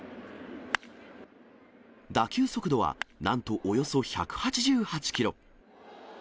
打球速度はなんと、およそ１８８キロ。